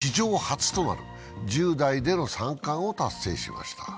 史上初となる１０代での三冠を達成しました。